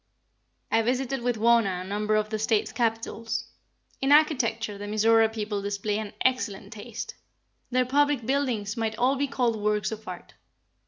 I visited with Wauna a number of the States' Capitals. In architecture the Mizora people display an excellent taste. Their public buildings might all be called works of art.